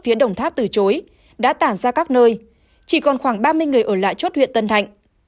phía đồng tháp từ chối đã tản ra các nơi chỉ còn khoảng ba mươi người ở lại chốt huyện tân thạnh